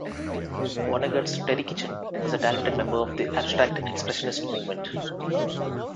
Vonnegut's Terry Kitchen was a talented member of the Abstract Expressionist movement.